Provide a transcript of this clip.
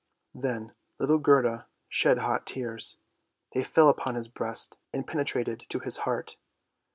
Then little Gerda shed hot tears; they fell upon his breast and penetrated to his heart.